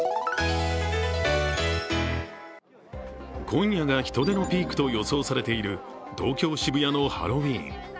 今夜が人出のピークと予想されている東京・渋谷のハロウィーン。